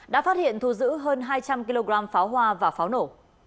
đã phát hiện thu giữ hơn hai trăm linh kg pháo hoa và pháo nổ